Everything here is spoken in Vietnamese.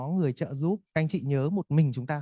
người trợ giúp canh trị nhớ một mình chúng ta